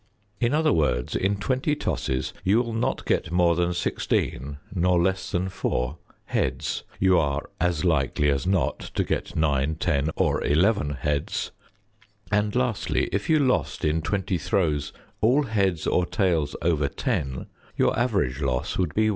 In other words, in twenty tosses you will not get more than 16 nor less than 4 heads; you are as likely as not to get 9, 10, or 11 heads; and lastly, if you lost in twenty throws all heads or tails over 10 your average loss would be 1.